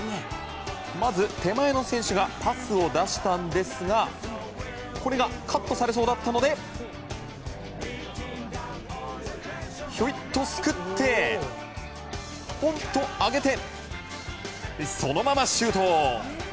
まず、手前の選手がパスを出したんですがこれがカットされそうだったのでひょいっとすくってポンと上げてそのままシュート！